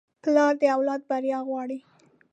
پلار د اولاد بریا غواړي.